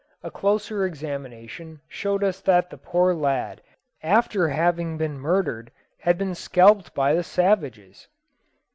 A closer examination showed us that the poor lad, after being murdered, had been scalped by the savages.